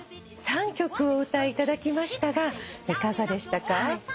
３曲お歌いいただきましたがいかがでしたか？